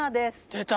出た！